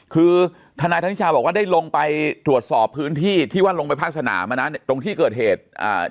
คือทนายธนิชาบอกว่าได้ลงไปตรวจสอบพื้นที่ที่ว่าลงไปภาคสนามอ่ะนะตรงที่เกิดเหตุอ่า